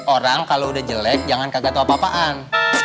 orang kalau udah jelek jangan kaget apa apaan